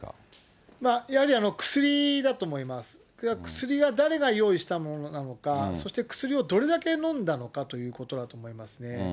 薬は誰が用意したものなのか、そして薬をどれだけ飲んだのかということだと思いますね。